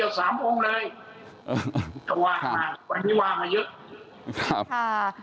แต่ว่าวันนี้ว่ามาเยอะ